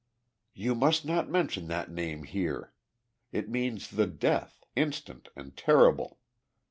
"You must not mention that name here. It means the death, instant and terrible!